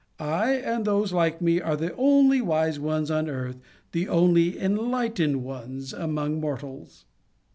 I, and those like me, are the only wise ones on earth, the only enlightened ones among mortals."